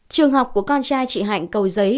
trường học của con trai chị hạnh cầu giấy